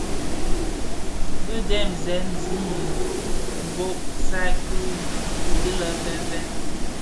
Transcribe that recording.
Bi dèn ziň bikö kisaï ki dhi lè fènfèn.